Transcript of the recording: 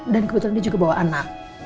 dan kebetulan dia juga bawa anak